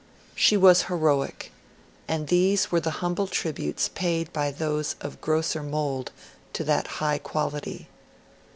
She was heroic; and these were the humble tributes paid by those of grosser mould to that high quality.